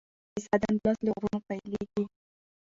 کیسه د اندلس له غرونو پیلیږي.